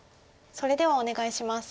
それではお願いします。